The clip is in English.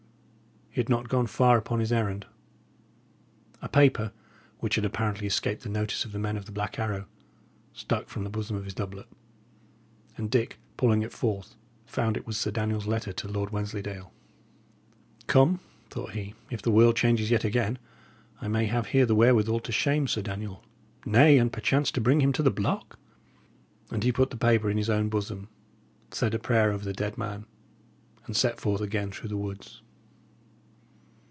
He had not gone far upon his errand. A paper, which had apparently escaped the notice of the men of the Black Arrow, stuck from the bosom of his doublet, and Dick, pulling it forth, found it was Sir Daniel's letter to Lord Wensleydale. "Come," thought he, "if the world changes yet again, I may have here the wherewithal to shame Sir Daniel nay, and perchance to bring him to the block." And he put the paper in his own bosom, said a prayer over the dead man, and set forth again through the woods.